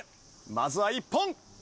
まずは１本！